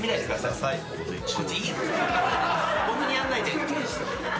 僕にやんないで。